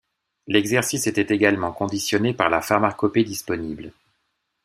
L’exercice était également conditionné par la pharmacopée disponible.